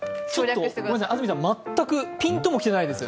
安住さん、全く、ピンとも来てないです。